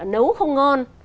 nấu không ngon